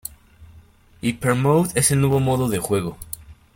Hyper mode:Es el nuevo modo de juego.